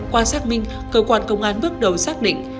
qua xác minh cơ quan công an bước đầu xác định